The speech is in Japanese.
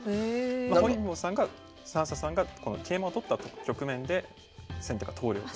本因坊さんが算砂さんがこの桂馬を取った局面で先手が投了と。